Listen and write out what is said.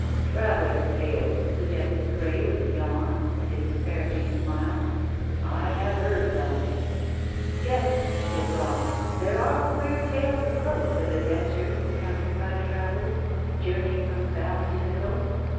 "Travellers' tales," suggested Grey, with a yawn and a disparaging smile. "I have heard some." "Yes," said Robb, "there are queer tales afloat of adventures encountered by travellers journeying from the valley to the coast.